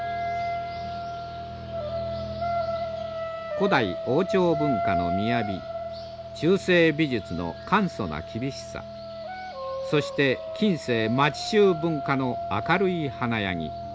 古代王朝文化の雅中世美術の簡素な厳しさそして近世町衆文化の明るい華やぎ。